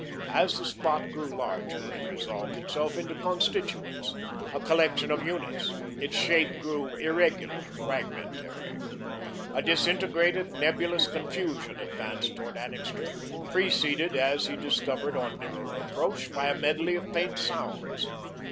As the spot grew larger, it resolved itself into constituents, a collection of units; its shape grew irregular, fragmentary. A disintegrated, nebulous confusion advanced toward Annixter, preceded, as he discovered on nearer approach, by a medley of faint sounds.